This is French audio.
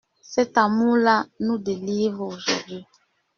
Cet amour-là nous délivre aujourd'hui.